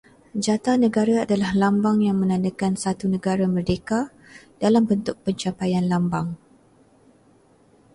Jata negara adalah lambang yang menandakan satu negara merdeka dalam bentuk pencapaian lambang